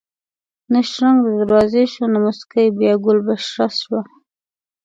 نه شرنګ د دروازې شو نه موسکۍ بیا ګل بشره شوه